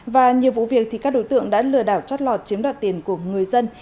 và nhiều vụ việc thì các đối tượng đã lừa đảo chót lọt chiếm đoạt tiền của người dân